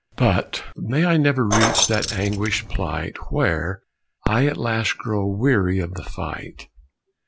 But may I never reach that anguished plight Where I at last grow weary of the fight.